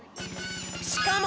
しかも！